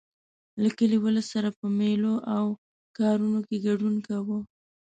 له کلي ولس سره په مېلو او کارونو کې ګډون کاوه.